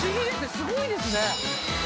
すごいですね。